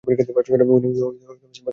উনি সিম্বাকে দেখতে চেয়েছেন।